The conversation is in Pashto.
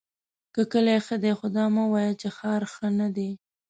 که کلی ښۀ دی خو دا مه وایه چې ښار ښۀ ندی!